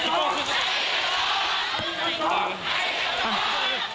สวัสดีครับสวัสดีครับสวัสดีครับ